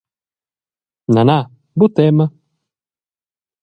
Na, na, buca tema.